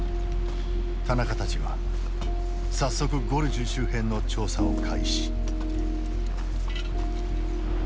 田中たちは早速ゴルジュ周辺の調査を開始。